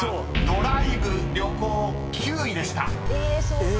［ドライブ・旅行９位でした］え！